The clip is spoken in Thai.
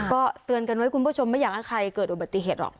ก็เตือนกันไว้คุณผู้ชมไม่อยากให้ใครเกิดอุบัติเหตุหรอก